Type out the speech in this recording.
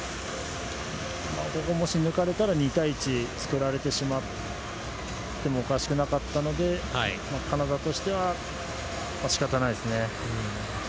ここもし抜かれたら２対１を作られてしまってもおかしくなかったのでカナダとしては仕方ないですね。